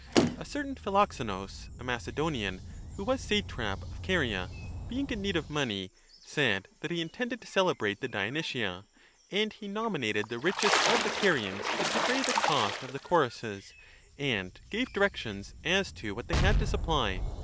A certain Philoxenus, a Macedonian who was satrap of Caria, being in need of money, said that he intended to celebrate the Dionysia, and he nominated the richest of I352 a the Carians to defray the cost of the choruses and gave directions as to what they had to supply.